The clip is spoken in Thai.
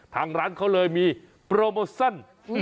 ทางร้านเขาเลยมีโปรโมชั่น